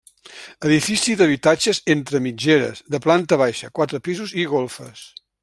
Edifici d'habitatges entre mitgeres, de planta baixa, quatre pisos i golfes.